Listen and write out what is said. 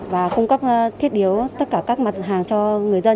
và cung cấp thiết điếu tất cả các mặt hàng cho người dân